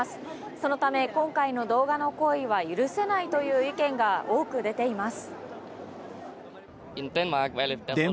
そのため、今回の動画の行為は許せないという意見が多く出ています。